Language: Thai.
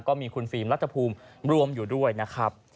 ก็มีคุณฟิล์มรัฐภูมิรวมอยู่ด้วยนะครับ